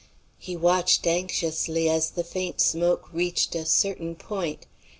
He watched anxiously as the faint smoke reached a certain point.